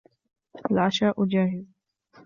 العشاء جاهز